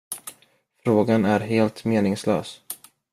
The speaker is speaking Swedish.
Frågan är helt meningslös.